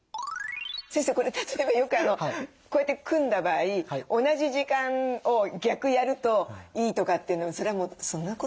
先生これ例えばよくこうやって組んだ場合同じ時間を逆やるといいとかってそんなことないですよね？